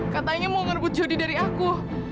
katanya mau ngerebut jody dari aku